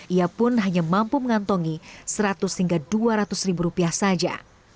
ia pun hanya mampu mengantongi seratus hingga dua ratus ribu rupiah saja